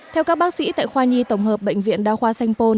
theo các bác sĩ tại khoa nhi tổng hợp bệnh viện đao khoa xanh pôn